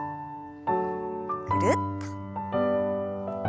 ぐるっと。